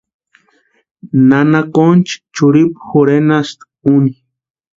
Nana Concha churhipu jorhenasti úni.